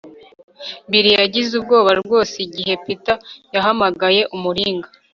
bill yagize ubwoba rwose igihe peter yahamagaye umuringa